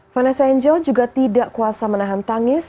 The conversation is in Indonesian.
vanessa angel juga tidak kuasa menahan tangis